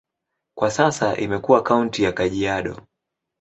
Kwa sasa imekuwa kaunti ya Kajiado.